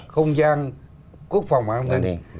không gian quốc phòng an ninh